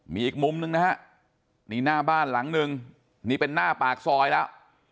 มีอีกมุมหนึ่งนะฮะนี่หน้าบ้านหลังนึงนี่เป็นหน้าปากซอยแล้ว